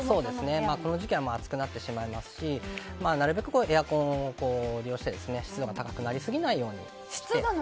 この時期は暑くなってしまいますしなるべくエアコンを利用して湿度が高くなりすぎないように。